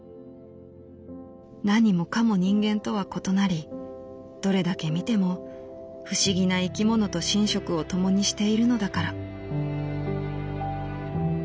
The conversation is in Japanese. なにもかも人間とは異なりどれだけ見ても不思議な生き物と寝食を共にしているのだから」。